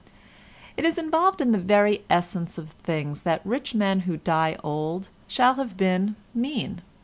It is involved in the very essence of things that rich men who die old shall have been mean.